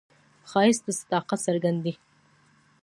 ښایست د صداقت څرک دی